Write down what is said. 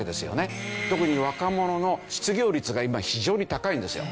特に若者の失業率が今非常に高いんですよ。